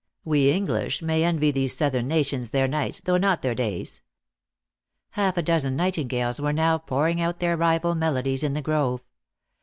WQ English may envy these Southern nations their nights, though not their days." Haifa dozen nightingales were now pouring out their rival melodies in the grove.